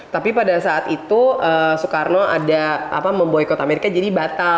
tapi pada saat itu soekarno ada memboykot amerika jadi batal